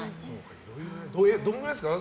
どのくらいですか？